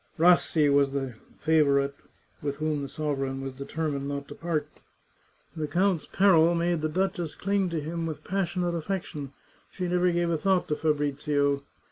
Rassi was the favourite with whom the sovereign was determined not to part. The count's peril made the duchess cling to him with passionate affection ; she never gave a thought to Fabrizio.